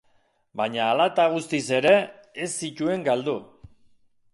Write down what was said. Baina hala eta guztiz ere, ez zituen galdu.